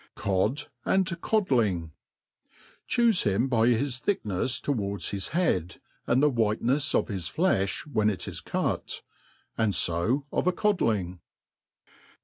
Cod and Codling, CHUSE him by his thicknefs towards his head, and the whjtenefs of his flefli when it is cut : and fo of a codling.